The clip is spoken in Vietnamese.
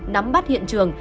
nắm bắt hiện trường